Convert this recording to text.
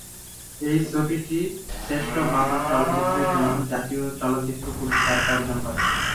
এই ছবিটি শ্রেষ্ঠ বাংলা চলচ্চিত্রের জন্য জাতীয় চলচ্চিত্র পুরস্কার অর্জন করে।